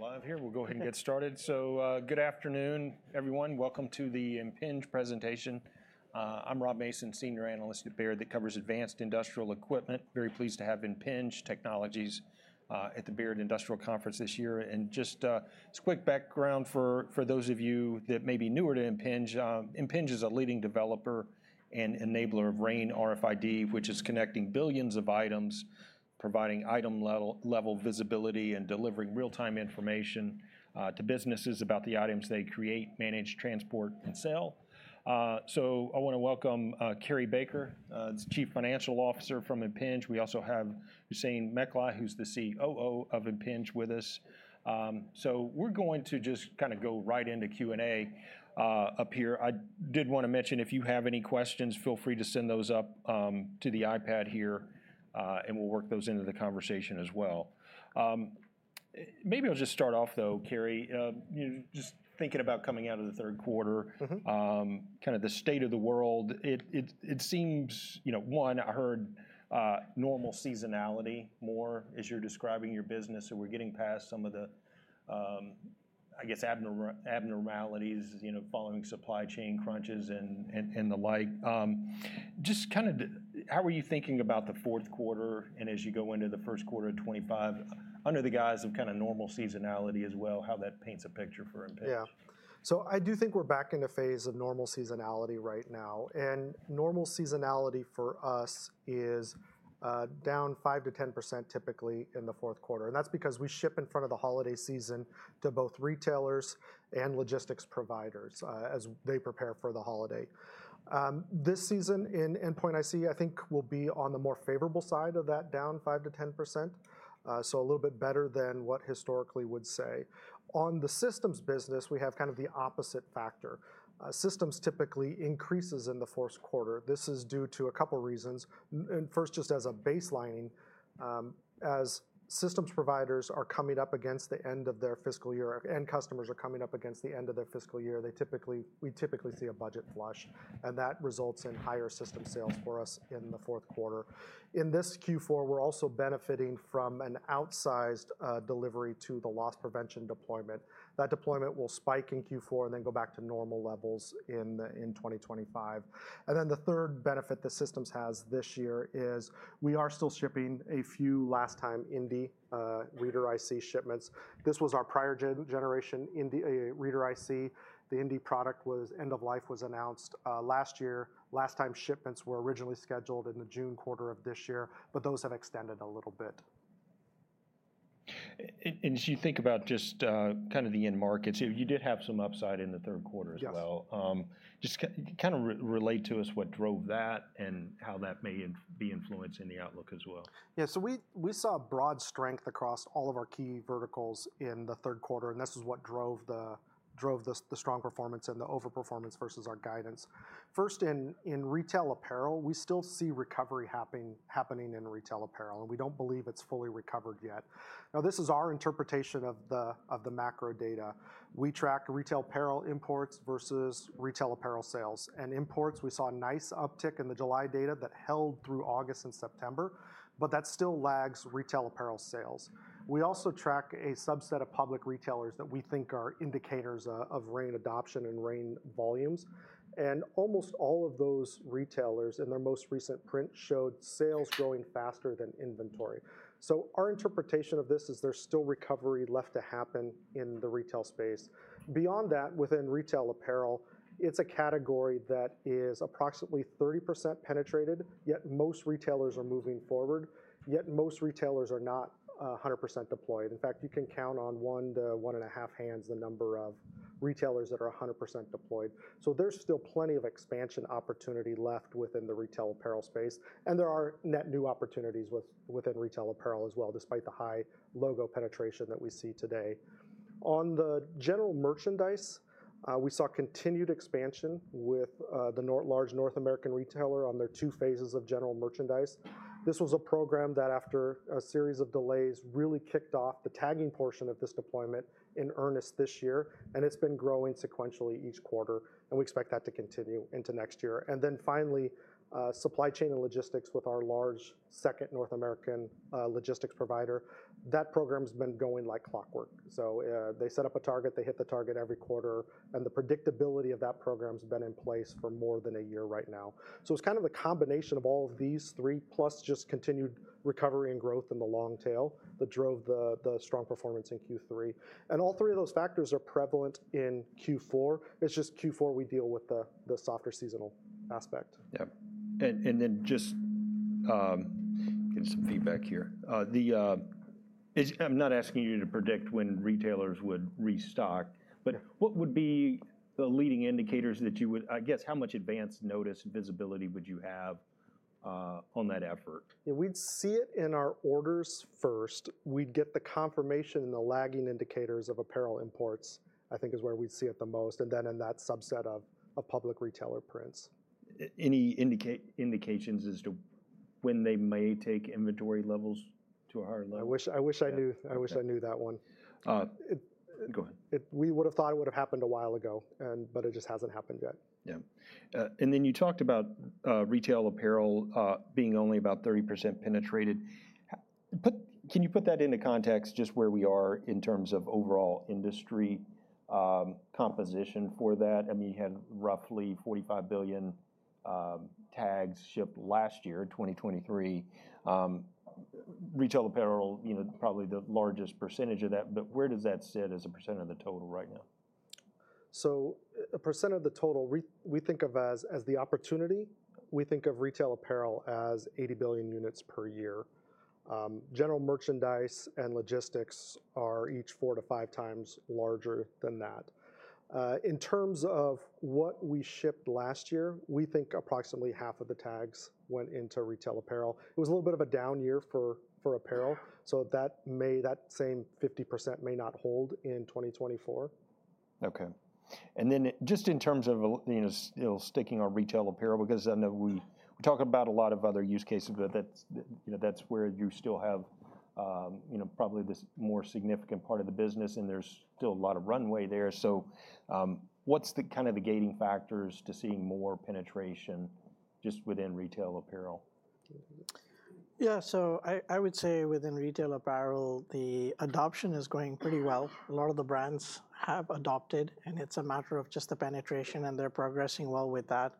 I think we're live here. We'll go ahead and get started. So, good afternoon, everyone. Welcome to the Impinj presentation. I'm Rob Mason, Senior Analyst at Baird that covers advanced industrial equipment. Very pleased to have Impinj Technologies at the Baird Industrial Conference this year. And just a quick background for those of you that may be newer to Impinj. Impinj is a leading developer and enabler of RAIN RFID, which is connecting billions of items, providing item-level visibility, and delivering real-time information to businesses about the items they create, manage, transport, and sell. So, I want to welcome Cary Baker, Chief Financial Officer from Impinj. We also have Hussein Mecklai, who's the COO of Impinj, with us. So, we're going to just kind of go right into Q&A up here. I did want to mention, if you have any questions, feel free to send those up to the iPad here, and we'll work those into the conversation as well. Maybe I'll just start off, though, Cary, just thinking about coming out of the third quarter, kind of the state of the world. It seems, one, I heard normal seasonality more as you're describing your business, and we're getting past some of the, I guess, abnormalities following supply chain crunches and the like. Just kind of how are you thinking about the fourth quarter and as you go into the first quarter of 2025 under the guise of kind of normal seasonality as well, how that paints a picture for Impinj? Yeah. So, I do think we're back in a phase of normal seasonality right now. Normal seasonality for us is down 5%-10% typically in the fourth quarter. That's because we ship in front of the holiday season to both retailers and logistics providers as they prepare for the holiday. This season, endpoint IC, I think, will be on the more favorable side of that down 5%-10%, so a little bit better than what historically would say. On the systems business, we have kind of the opposite factor. Systems typically increases in the fourth quarter. This is due to a couple of reasons. First, just as a baseline, as systems providers are coming up against the end of their fiscal year and customers are coming up against the end of their fiscal year, we typically see a budget flush, and that results in higher system sales for us in the fourth quarter. In this Q4, we're also benefiting from an outsized delivery to the loss prevention deployment. That deployment will spike in Q4 and then go back to normal levels in 2025. And then the third benefit the systems has this year is we are still shipping a few last-time Indy reader IC shipments. This was our prior generation Indy reader IC. The Indy product was end of life was announced last year. Last-time shipments were originally scheduled in the June quarter of this year, but those have extended a little bit. As you think about just kind of the end markets, you did have some upside in the third quarter as well. Just kind of relate to us what drove that and how that may be influencing the outlook as well. Yeah. So, we saw broad strength across all of our key verticals in the third quarter, and this is what drove the strong performance and the overperformance versus our guidance. First, in retail apparel, we still see recovery happening in retail apparel, and we don't believe it's fully recovered yet. Now, this is our interpretation of the macro data. We track retail apparel imports versus retail apparel sales. And imports, we saw a nice uptick in the July data that held through August and September, but that still lags retail apparel sales. We also track a subset of public retailers that we think are indicators of RAIN adoption and RAIN volumes. And almost all of those retailers in their most recent print showed sales growing faster than inventory. So, our interpretation of this is there's still recovery left to happen in the retail space. Beyond that, within retail apparel, it's a category that is approximately 30% penetrated, yet most retailers are moving forward, yet most retailers are not 100% deployed. In fact, you can count on one to one and a half hands the number of retailers that are 100% deployed. So, there's still plenty of expansion opportunity left within the retail apparel space, and there are net new opportunities within retail apparel as well, despite the high logo penetration that we see today. On the general merchandise, we saw continued expansion with the large North American retailer on their two phases of general merchandise. This was a program that, after a series of delays, really kicked off the tagging portion of this deployment in earnest this year, and it's been growing sequentially each quarter, and we expect that to continue into next year. Then, finally, supply chain and logistics with our large second North American logistics provider. That program's been going like clockwork. They set up a target, they hit the target every quarter, and the predictability of that program's been in place for more than a year right now. It's kind of a combination of all of these three, plus just continued recovery and growth in the long tail that drove the strong performance in Q3. All three of those factors are prevalent in Q4. It's just Q4 we deal with the softer seasonal aspect. Yeah, and then just getting some feedback here. I'm not asking you to predict when retailers would restock, but what would be the leading indicators that you would, I guess, how much advance notice and visibility would you have on that effort? Yeah. We'd see it in our orders first. We'd get the confirmation and the lagging indicators of apparel imports, I think, is where we'd see it the most, and then in that subset of public retailer prints. Any indications as to when they may take inventory levels to a higher level? I wish I knew that one. Go ahead. We would have thought it would have happened a while ago, but it just hasn't happened yet. Yeah, and then you talked about retail apparel being only about 30% penetrated. Can you put that into context just where we are in terms of overall industry composition for that? I mean, you had roughly 45 billion tags shipped last year, 2023. Retail apparel, probably the largest percentage of that, but where does that sit as a % of the total right now? A percent of the total we think of as the opportunity. We think of retail apparel as 80 billion units per year. General merchandise and logistics are each four to five times larger than that. In terms of what we shipped last year, we think approximately half of the tags went into retail apparel. It was a little bit of a down year for apparel, so that same 50% may not hold in 2024. Okay. And then just in terms of sticking on retail apparel, because I know we talk about a lot of other use cases, but that's where you still have probably this more significant part of the business, and there's still a lot of runway there. So, what's kind of the gating factors to seeing more penetration just within retail apparel? Yeah. So, I would say within retail apparel, the adoption is going pretty well. A lot of the brands have adopted, and it's a matter of just the penetration, and they're progressing well with that.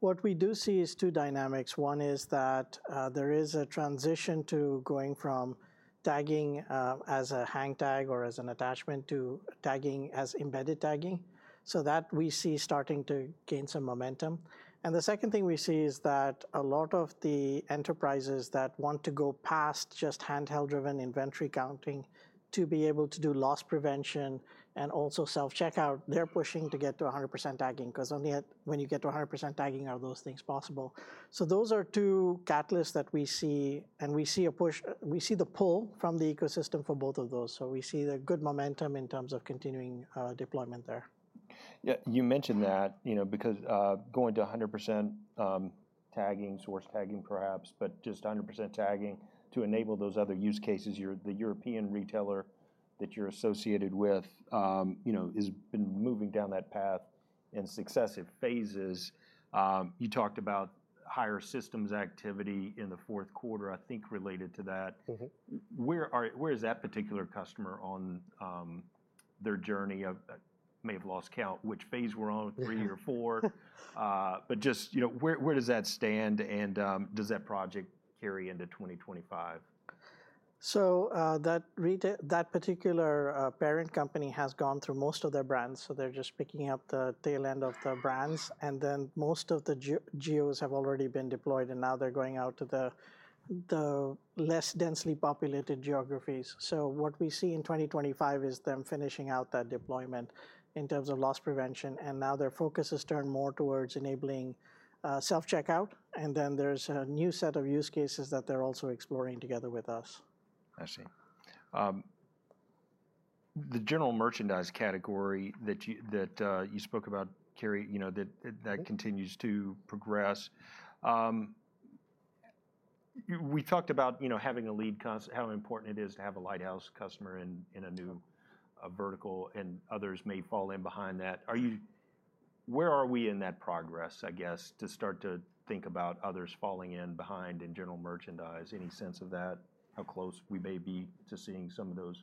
What we do see is two dynamics. One is that there is a transition to going from tagging as a hang tag or as an attachment to tagging as embedded tagging. So, that we see starting to gain some momentum. And the second thing we see is that a lot of the enterprises that want to go past just handheld-driven inventory counting to be able to do loss prevention and also self-checkout, they're pushing to get to 100% tagging, because only when you get to 100% tagging are those things possible. So, those are two catalysts that we see, and we see a push, we see the pull from the ecosystem for both of those. We see the good momentum in terms of continuing deployment there. Yeah. You mentioned that, because going to 100% tagging, source tagging perhaps, but just 100% tagging to enable those other use cases, the European retailer that you're associated with has been moving down that path in successive phases. You talked about higher systems activity in the fourth quarter, I think related to that. Where is that particular customer on their journey? May have lost count which phase we're on, three or four, but just where does that stand, and does that project carry into 2025? That particular parent company has gone through most of their brands, so they're just picking up the tail end of the brands, and then most of the geos have already been deployed, and now they're going out to the less densely populated geographies. What we see in 2025 is them finishing out that deployment in terms of loss prevention, and now their focus has turned more towards enabling self-checkout, and then there's a new set of use cases that they're also exploring together with us. I see. The general merchandise category that you spoke about, Cary, that continues to progress. We talked about having a lead, how important it is to have a lighthouse customer in a new vertical, and others may fall in behind that. Where are we in that progress, I guess, to start to think about others falling in behind in general merchandise? Any sense of that, how close we may be to seeing some of those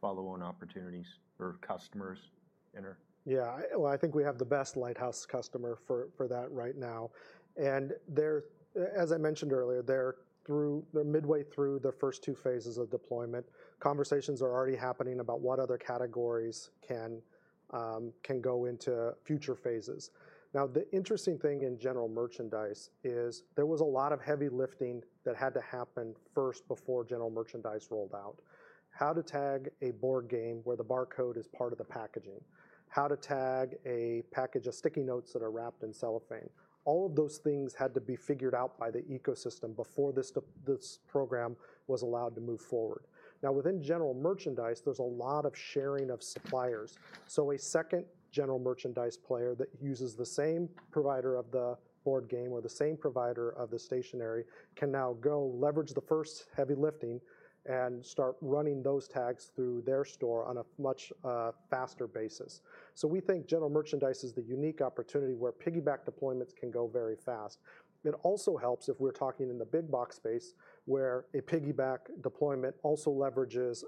follow-on opportunities or customers enter? Yeah. Well, I think we have the best lighthouse customer for that right now, and as I mentioned earlier, they're midway through their first two phases of deployment. Conversations are already happening about what other categories can go into future phases. Now, the interesting thing in general merchandise is there was a lot of heavy lifting that had to happen first before general merchandise rolled out. How to tag a board game where the barcode is part of the packaging? How to tag a package of sticky notes that are wrapped in cellophane? All of those things had to be figured out by the ecosystem before this program was allowed to move forward. Now, within general merchandise, there's a lot of sharing of suppliers. So, a second general merchandise player that uses the same provider of the board game or the same provider of the stationery can now go leverage the first heavy lifting and start running those tags through their store on a much faster basis. So, we think general merchandise is the unique opportunity where piggyback deployments can go very fast. It also helps if we're talking in the big box space where a piggyback deployment also leverages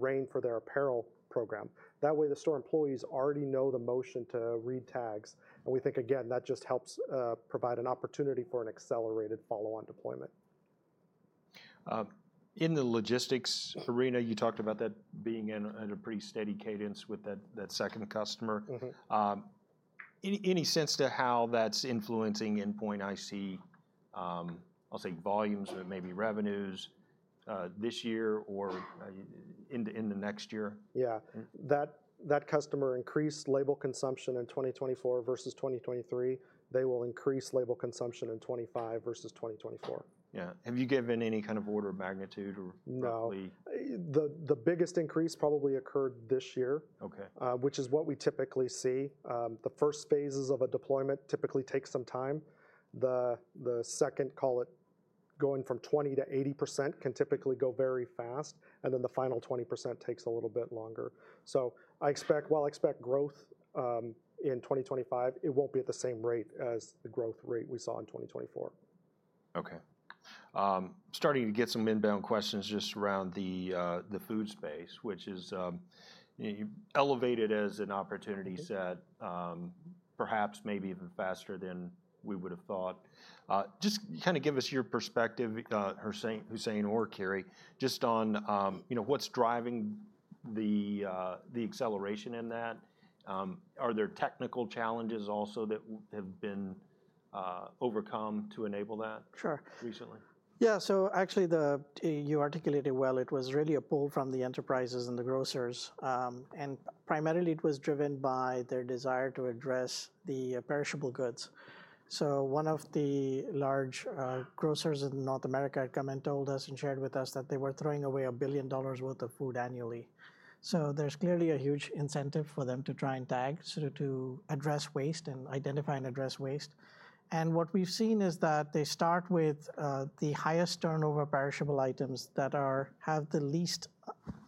RAIN for their apparel program. That way, the store employees already know the motion to read tags, and we think, again, that just helps provide an opportunity for an accelerated follow-on deployment. In the logistics arena, you talked about that being in a pretty steady cadence with that second customer. Any sense to how that's influencing endpoint IC, I'll say volumes or maybe revenues this year or in the next year? Yeah. That customer increased label consumption in 2024 versus 2023. They will increase label consumption in 2025 versus 2024. Yeah. Have you given any kind of order of magnitude or? No. The biggest increase probably occurred this year, which is what we typically see. The first phases of a deployment typically take some time. The second, call it going from 20% to 80% can typically go very fast, and then the final 20% takes a little bit longer. So, while I expect growth in 2025, it won't be at the same rate as the growth rate we saw in 2024. Okay. Starting to get some inbound questions just around the food space, which is elevated as an opportunity set, perhaps maybe even faster than we would have thought. Just kind of give us your perspective, Hussein or Cary, just on what's driving the acceleration in that. Are there technical challenges also that have been overcome to enable that recently? Sure. Yeah. So, actually, you articulated well. It was really a pull from the enterprises and the grocers, and primarily it was driven by their desire to address the perishable goods. So, one of the large grocers in North America had come and told us and shared with us that they were throwing away $1 billion worth of food annually. So, there's clearly a huge incentive for them to try and tag to address waste and identify and address waste. And what we've seen is that they start with the highest turnover perishable items that have the least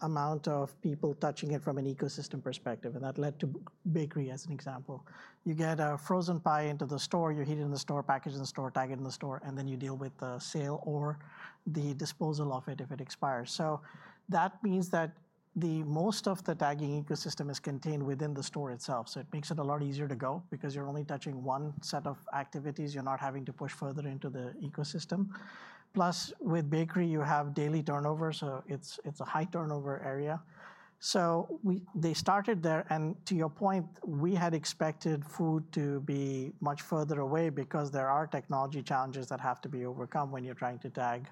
amount of people touching it from an ecosystem perspective, and that led to bakery as an example. You get a frozen pie into the store, you heat it in the store, package it in the store, tag it in the store, and then you deal with the sale or the disposal of it if it expires, so that means that most of the tagging ecosystem is contained within the store itself, so it makes it a lot easier to go because you're only touching one set of activities. You're not having to push further into the ecosystem. Plus, with bakery, you have daily turnover, so it's a high turnover area, so they started there, and to your point, we had expected food to be much further away because there are technology challenges that have to be overcome when you're trying to tag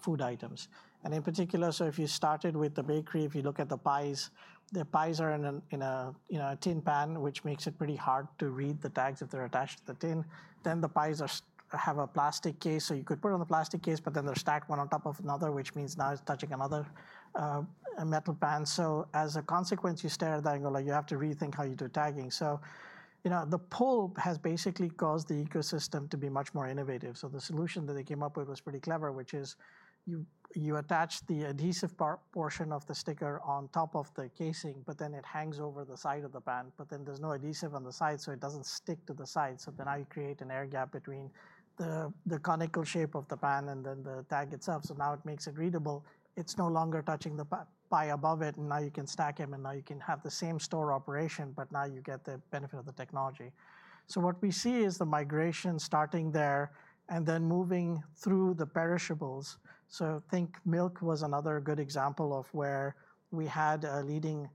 food items. And in particular, so if you started with the bakery, if you look at the pies, the pies are in a tin pan, which makes it pretty hard to read the tags if they're attached to the tin. Then the pies have a plastic case, so you could put it on the plastic case, but then they're stacked one on top of another, which means now it's touching another metal pan. So, as a consequence, you stare at that and go, like, you have to rethink how you do tagging. So, the pull has basically caused the ecosystem to be much more innovative. So, the solution that they came up with was pretty clever, which is you attach the adhesive portion of the sticker on top of the casing, but then it hangs over the side of the pan, but then there's no adhesive on the side, so it doesn't stick to the side. So, then now you create an air gap between the conical shape of the pan and then the tag itself. So, now it makes it readable. It's no longer touching the pie above it, and now you can stack them, and now you can have the same store operation, but now you get the benefit of the technology. So, what we see is the migration starting there and then moving through the perishables. So, think milk was another good example of where we had a leading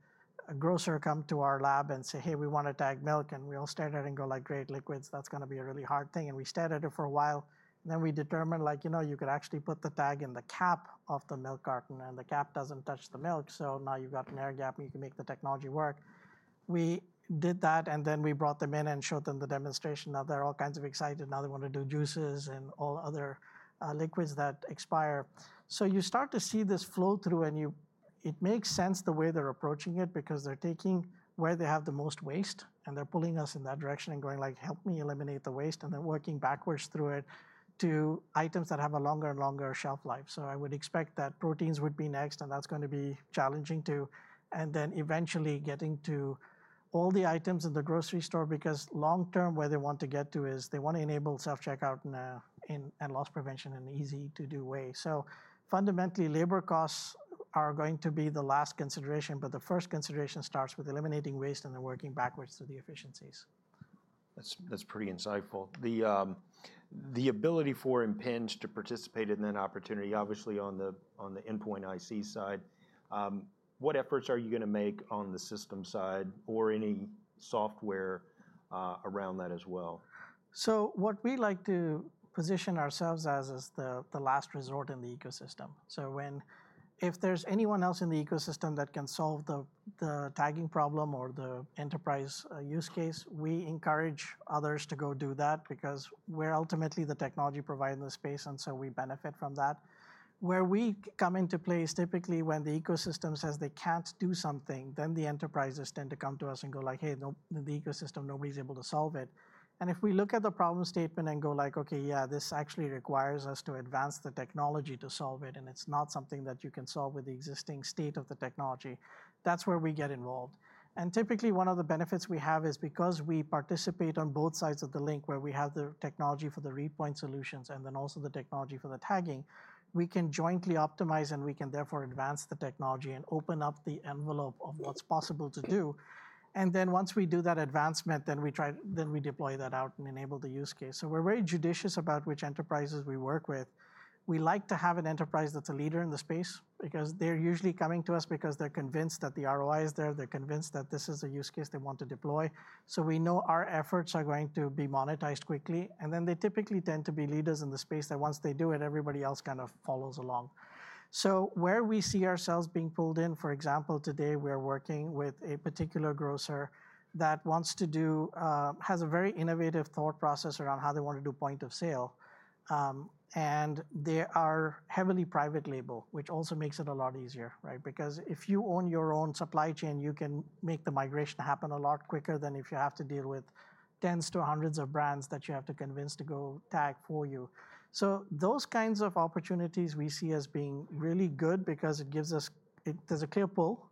grocer come to our lab and say, "Hey, we want to tag milk," and we all stared at him and go, like, "Great, liquids, that's going to be a really hard thing." And we stared at him for a while, and then we determined, like, you know, you could actually put the tag in the cap of the milk carton, and the cap doesn't touch the milk, so now you've got an air gap and you can make the technology work. We did that, and then we brought them in and showed them the demonstration. Now they're all kinds of excited. Now they want to do juices and all other liquids that expire. So, you start to see this flow through, and it makes sense the way they're approaching it because they're taking where they have the most waste, and they're pulling us in that direction and going, like, "Help me eliminate the waste," and then working backwards through it to items that have a longer and longer shelf life. So, I would expect that proteins would be next, and that's going to be challenging too, and then eventually getting to all the items in the grocery store because long term, where they want to get to is they want to enable self-checkout and loss prevention in an easy-to-do way. So, fundamentally, labor costs are going to be the last consideration, but the first consideration starts with eliminating waste and then working backwards through the efficiencies. That's pretty insightful. The ability for Impinj to participate in that opportunity, obviously on the endpoint IC side, what efforts are you going to make on the system side or any software around that as well? So, what we like to position ourselves as is the last resort in the ecosystem. So, if there's anyone else in the ecosystem that can solve the tagging problem or the enterprise use case, we encourage others to go do that because we're ultimately the technology provider in the space, and so we benefit from that. Where we come into play is typically when the ecosystem says they can't do something, then the enterprises tend to come to us and go, like, Hey, the ecosystem, nobody's able to solve it. And if we look at the problem statement and go, like, Okay, yeah, this actually requires us to advance the technology to solve it, and it's not something that you can solve with the existing state of the technology, that's where we get involved. And typically, one of the benefits we have is because we participate on both sides of the link where we have the technology for the read point solutions and then also the technology for the tagging, we can jointly optimize and we can therefore advance the technology and open up the envelope of what's possible to do. And then once we do that advancement, then we deploy that out and enable the use case. So, we're very judicious about which enterprises we work with. We like to have an enterprise that's a leader in the space because they're usually coming to us because they're convinced that the ROI is there, they're convinced that this is a use case they want to deploy. So, we know our efforts are going to be monetized quickly, and then they typically tend to be leaders in the space that once they do it, everybody else kind of follows along. So, where we see ourselves being pulled in, for example, today we're working with a particular grocer that wants to do, has a very innovative thought process around how they want to do point of sale, and they are heavily private label, which also makes it a lot easier, right? Because if you own your own supply chain, you can make the migration happen a lot quicker than if you have to deal with tens to hundreds of brands that you have to convince to go tag for you. So, those kinds of opportunities we see as being really good because it gives us. There's a clear pull.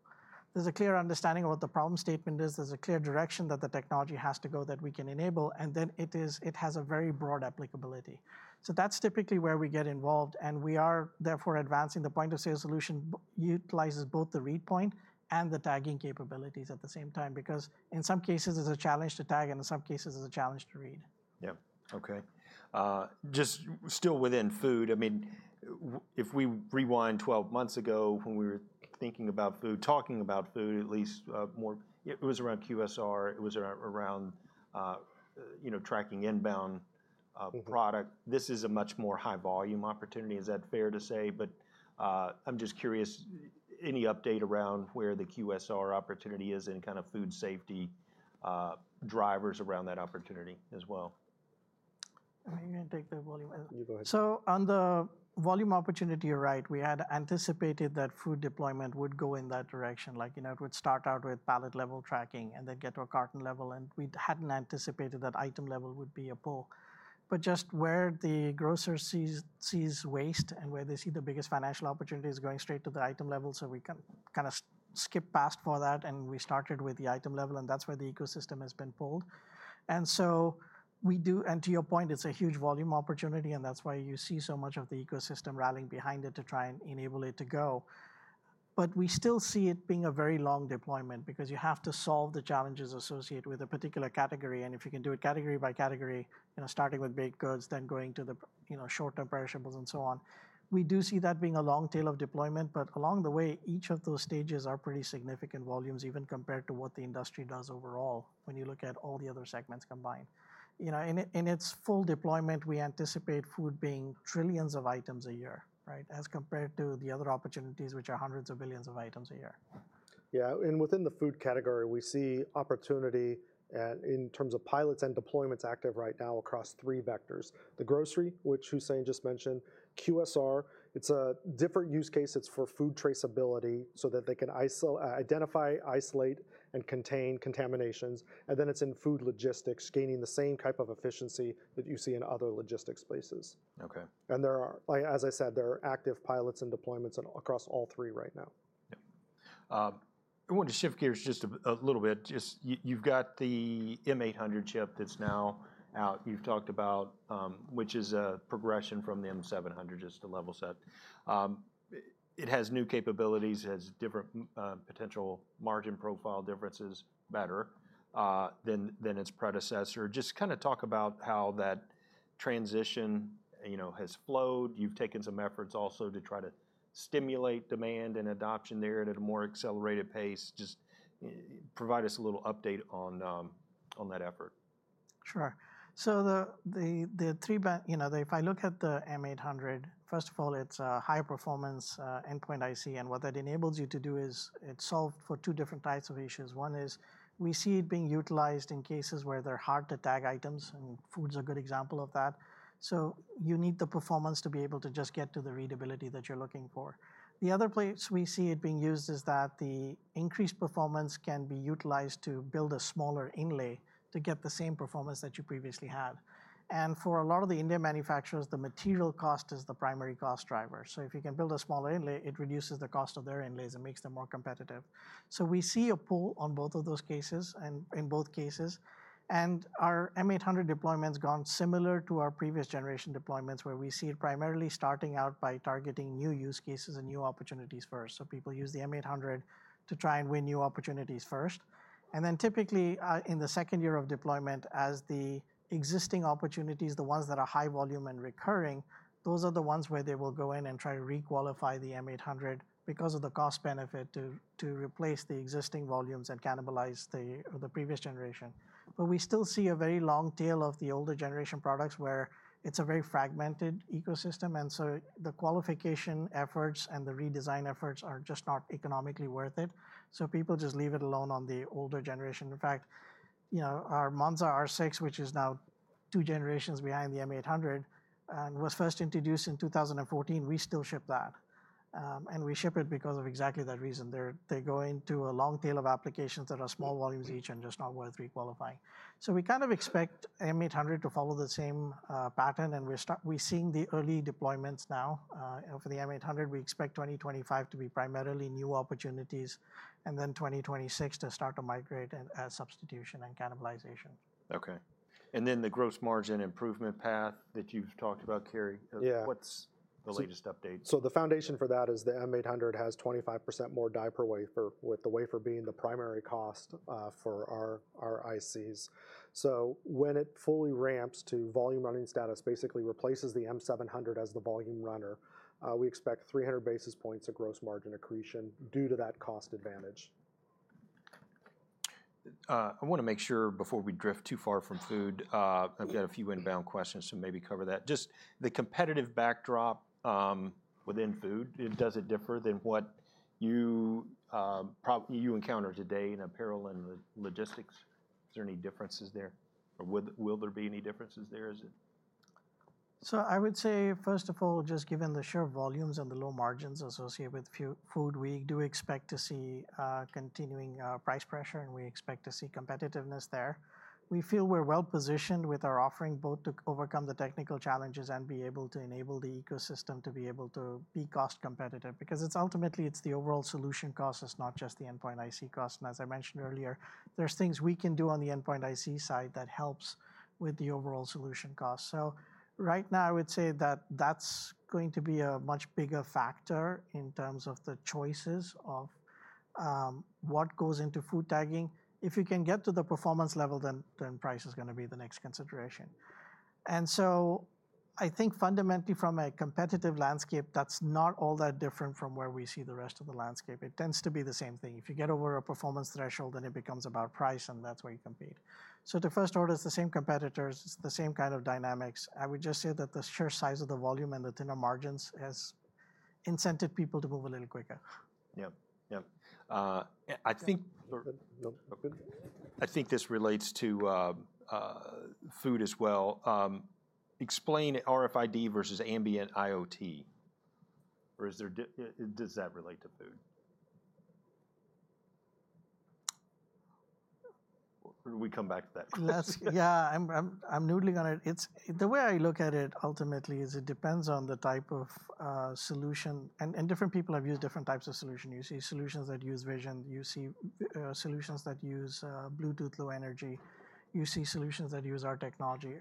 There's a clear understanding of what the problem statement is. There's a clear direction that the technology has to go that we can enable, and then it has a very broad applicability. So, that's typically where we get involved, and we are therefore advancing the point of sale solution utilizes both the read point and the tagging capabilities at the same time because in some cases it's a challenge to tag and in some cases it's a challenge to read. Yeah. Okay. Just still within food, I mean, if we rewind 12 months ago when we were thinking about food, talking about food, at least more, it was around QSR, it was around tracking inbound product. This is a much more high volume opportunity, is that fair to say? But I'm just curious, any update around where the QSR opportunity is and kind of food safety drivers around that opportunity as well? You can take the volume. You go ahead. So, on the volume opportunity, right, we had anticipated that food deployment would go in that direction, like, you know, it would start out with pallet level tracking and then get to a carton level, and we hadn't anticipated that item level would be a pull. But just where the grocer sees waste and where they see the biggest financial opportunity is going straight to the item level, so we can kind of skip past for that, and we started with the item level, and that's where the ecosystem has been pulled. And so we do, and to your point, it's a huge volume opportunity, and that's why you see so much of the ecosystem rallying behind it to try and enable it to go. But we still see it being a very long deployment because you have to solve the challenges associated with a particular category, and if you can do it category by category, you know, starting with baked goods, then going to the short-term perishables and so on. We do see that being a long tail of deployment, but along the way, each of those stages are pretty significant volumes even compared to what the industry does overall when you look at all the other segments combined. You know, in its full deployment, we anticipate food being trillions of items a year, right, as compared to the other opportunities, which are hundreds of billions of items a year. Yeah. Within the food category, we see opportunity in terms of pilots and deployments active right now across three vectors. The grocery, which Hussein just mentioned, QSR, it's a different use case. It's for food traceability so that they can identify, isolate, and contain contaminations, and then it's in food logistics, gaining the same type of efficiency that you see in other logistics places. And there are, as I said, there are active pilots and deployments across all three right now. Yeah. I want to shift gears just a little bit. Just you've got the M800 chip that's now out, you've talked about, which is a progression from the M700 just to level set. It has new capabilities, it has different potential margin profile differences better than its predecessor. Just kind of talk about how that transition, you know, has flowed. You've taken some efforts also to try to stimulate demand and adoption there at a more accelerated pace. Just provide us a little update on that effort. Sure. So, the three, you know, if I look at the M800, first of all, it's a high performance endpoint IC, and what that enables you to do is it's solved for two different types of issues. One is we see it being utilized in cases where they're hard to tag items, and food's a good example of that. So, you need the performance to be able to just get to the readability that you're looking for. The other place we see it being used is that the increased performance can be utilized to build a smaller inlay to get the same performance that you previously had. And for a lot of the inlay manufacturers, the material cost is the primary cost driver. So, if you can build a smaller inlay, it reduces the cost of their inlays and makes them more competitive. So, we see a pull on both of those cases and in both cases, and our M800 deployment's gone similar to our previous generation deployments where we see it primarily starting out by targeting new use cases and new opportunities first. So, people use the M800 to try and win new opportunities first. And then typically in the second year of deployment, as the existing opportunities, the ones that are high volume and recurring, those are the ones where they will go in and try to requalify the M800 because of the cost benefit to replace the existing volumes and cannibalize the previous generation. But we still see a very long tail of the older generation products where it's a very fragmented ecosystem, and so the qualification efforts and the redesign efforts are just not economically worth it. So, people just leave it alone on the older generation. In fact, you know, our Monza R6, which is now two generations behind the M800 and was first introduced in 2014, we still ship that. And we ship it because of exactly that reason. They're going to a long tail of applications that are small volumes each and just not worth requalifying. So, we kind of expect M800 to follow the same pattern, and we're seeing the early deployments now. For the M800, we expect 2025 to be primarily new opportunities and then 2026 to start to migrate and add substitution and cannibalization. Okay. And then the gross margin improvement path that you've talked about, Cary, what's the latest update? The foundation for that is the M800 has 25% more die per wafer, with the wafer being the primary cost for our ICs. When it fully ramps to volume running status, basically replaces the M700 as the volume runner, we expect 300 basis points of gross margin accretion due to that cost advantage. I want to make sure before we drift too far from food, I've got a few inbound questions, so maybe cover that. Just the competitive backdrop within food, does it differ than what you encounter today in apparel and logistics? Is there any differences there? Or will there be any differences there? I would say, first of all, just given the sheer volumes and the low margins associated with food, we do expect to see continuing price pressure, and we expect to see competitiveness there. We feel we're well positioned with our offering both to overcome the technical challenges and be able to enable the ecosystem to be able to be cost competitive because ultimately it's the overall solution cost, it's not just the Endpoint IC cost. As I mentioned earlier, there's things we can do on the Endpoint IC side that helps with the overall solution cost. Right now I would say that that's going to be a much bigger factor in terms of the choices of what goes into food tagging. If you can get to the performance level, then price is going to be the next consideration. And so, I think fundamentally from a competitive landscape, that's not all that different from where we see the rest of the landscape. It tends to be the same thing. If you get over a performance threshold, then it becomes about price and that's where you compete. So, to first order, it's the same competitors, it's the same kind of dynamics. I would just say that the sheer size of the volume and the thinner margins has incented people to move a little quicker. Yeah. Yeah. I think this relates to food as well. Explain RFID versus Ambient IoT, or does that relate to food? We come back to that question. Yeah, I'm noodling on it. The way I look at it ultimately is it depends on the type of solution, and different people have used different types of solutions. You see solutions that use vision, you see solutions that use Bluetooth Low Energy, you see solutions that use our technology.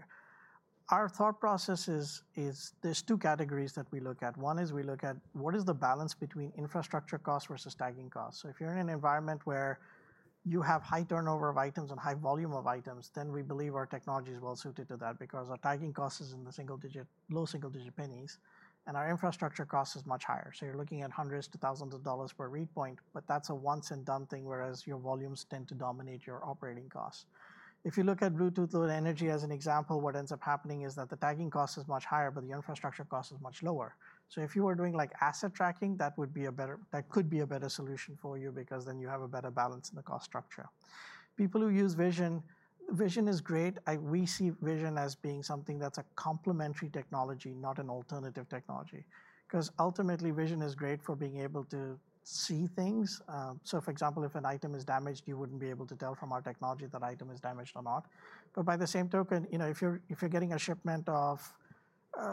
Our thought process is there's two categories that we look at. One is we look at what is the balance between infrastructure cost versus tagging cost. So, if you're in an environment where you have high turnover of items and high volume of items, then we believe our technology is well suited to that because our tagging cost is in the single digit, low single digit pennies, and our infrastructure cost is much higher. You're looking at hundreds to thousands of dollars per read point, but that's a once and done thing, whereas your volumes tend to dominate your operating costs. If you look at Bluetooth Low Energy as an example, what ends up happening is that the tagging cost is much higher, but the infrastructure cost is much lower. So, if you were doing like asset tracking, that would be a better, that could be a better solution for you because then you have a better balance in the cost structure. People who use vision, vision is great. We see vision as being something that's a complementary technology, not an alternative technology. Because ultimately vision is great for being able to see things. So, for example, if an item is damaged, you wouldn't be able to tell from our technology that item is damaged or not. But by the same token, you know, if you're getting a shipment of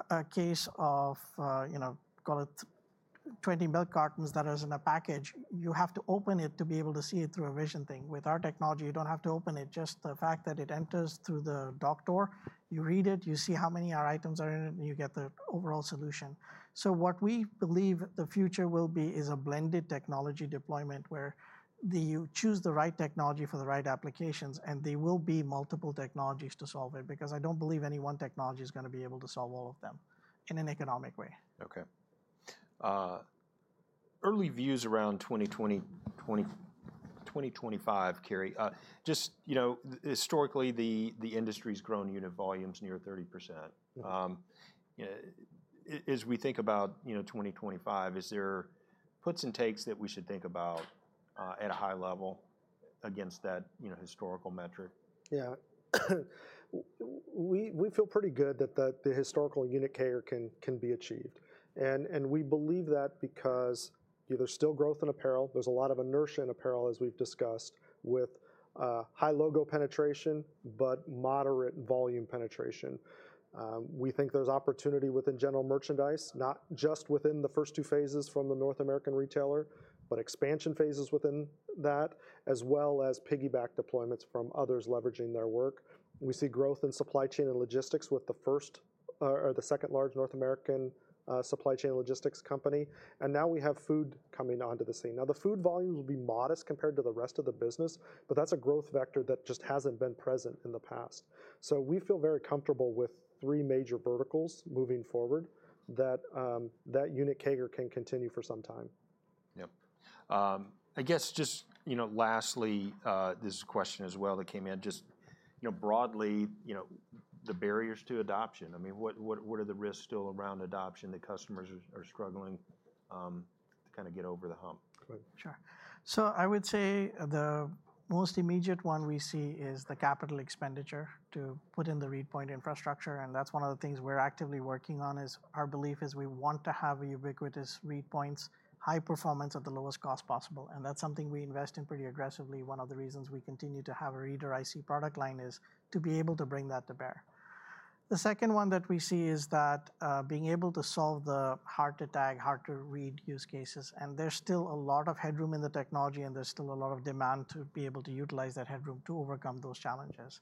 a case of, you know, call it 20 milk cartons that is in a package, you have to open it to be able to see it through a vision thing. With our technology, you don't have to open it. Just the fact that it enters through the dock door, you read it, you see how many items are in it, and you get the overall solution. So, what we believe the future will be is a blended technology deployment where you choose the right technology for the right applications, and there will be multiple technologies to solve it because I don't believe any one technology is going to be able to solve all of them in an economic way. Okay. Early views around 2020, 2025, Cary, just, you know, historically the industry's grown unit volumes near 30%. As we think about, you know, 2025, is there puts and takes that we should think about at a high level against that, you know, historical metric? Yeah. We feel pretty good that the historical unit carrier can be achieved. And we believe that because there's still growth in apparel, there's a lot of inertia in apparel as we've discussed with high logo penetration, but moderate volume penetration. We think there's opportunity within general merchandise, not just within the first two phases from the North American retailer, but expansion phases within that, as well as piggyback deployments from others leveraging their work. We see growth in supply chain and logistics with the first or the second large North American supply chain logistics company. And now we have food coming onto the scene. Now, the food volumes will be modest compared to the rest of the business, but that's a growth vector that just hasn't been present in the past. We feel very comfortable with three major verticals moving forward that unit CARG can continue for some time. Yeah. I guess just, you know, lastly, this question as well that came in, just, you know, broadly, you know, the barriers to adoption. I mean, what are the risks still around adoption that customers are struggling to kind of get over the hump? Sure. So, I would say the most immediate one we see is the capital expenditure to put in the read point infrastructure. And that's one of the things we're actively working on is our belief is we want to have ubiquitous read points, high performance at the lowest cost possible. And that's something we invest in pretty aggressively. One of the reasons we continue to have a reader IC product line is to be able to bring that to bear. The second one that we see is that being able to solve the hard to tag, hard to read use cases. And there's still a lot of headroom in the technology, and there's still a lot of demand to be able to utilize that headroom to overcome those challenges.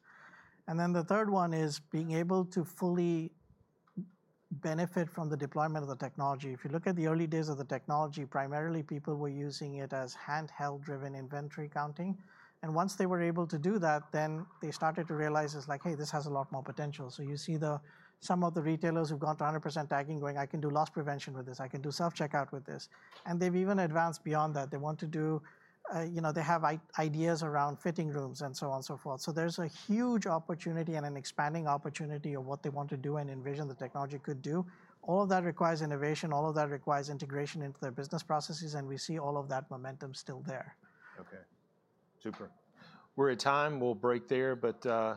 And then the third one is being able to fully benefit from the deployment of the technology. If you look at the early days of the technology, primarily people were using it as handheld driven inventory counting, and once they were able to do that, then they started to realize it's like, hey, this has a lot more potential, so you see some of the retailers who've gone to 100% tagging going, I can do loss prevention with this, I can do self-checkout with this, and they've even advanced beyond that. They want to do, you know, they have ideas around fitting rooms and so on and so forth, so there's a huge opportunity and an expanding opportunity of what they want to do and envision the technology could do. All of that requires innovation, all of that requires integration into their business processes, and we see all of that momentum still there. Okay. Super. We're at time. We'll break there, but I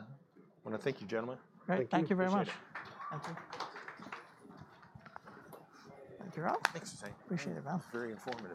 want to thank you, gentlemen. Thank you very much. Thank you. Very informative.